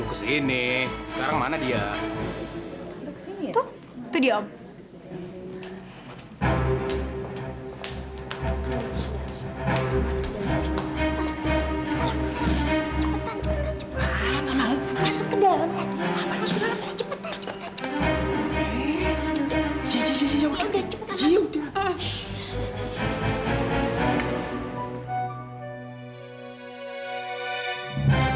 eh seret dua orang ini keluar